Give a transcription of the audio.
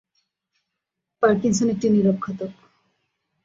Parkinson's একটা নীরব ঘাতক।